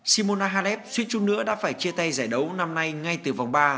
simona halef suy chung nữa đã phải chia tay giải đấu năm nay ngay từ vòng ba